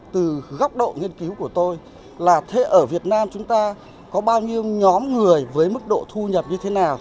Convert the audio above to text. từ góc độ nghiên cứu của tôi là ở việt nam chúng ta có bao nhiêu nhóm người với mức độ thu nhập như thế nào